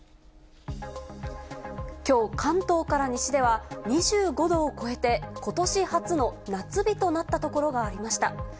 きょう、関東から西では、２５度を超えて、ことし初の夏日となった所がありました。